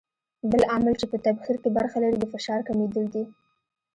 بل عامل چې په تبخیر کې برخه لري د فشار کمېدل دي.